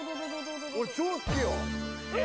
俺超好きよえ！